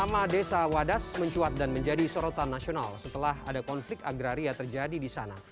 nama desa wadas mencuat dan menjadi sorotan nasional setelah ada konflik agraria terjadi di sana